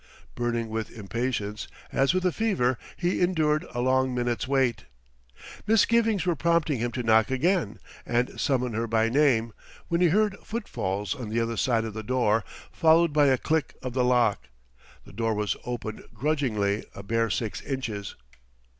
Burning with impatience as with a fever, he endured a long minute's wait. Misgivings were prompting him to knock again and summon her by name, when he heard footfalls on the other side of the door, followed by a click of the lock. The door was opened grudgingly, a bare six inches.